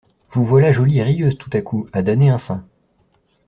Vous voilà jolie et rieuse, tout à coup, à damner un saint.